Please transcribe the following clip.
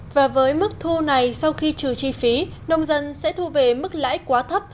và với mức thu này sau khi trừ chi phí nông dân sẽ thu về mức lãi quá thấp